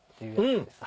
うん！